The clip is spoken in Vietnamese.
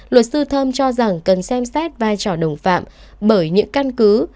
luật sư thơm cho rằng cần xem xét vai trò đồng phạm bởi những căn cứ